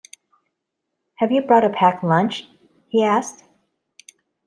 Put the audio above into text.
Have you brought a packed lunch? he asked